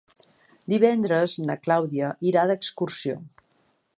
Divendres na Clàudia irà d'excursió.